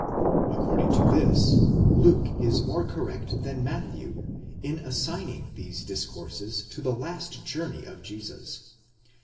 According to this, Luke is more correct than Matthew in assigning these discourses to the last journey of [6585 ; 8.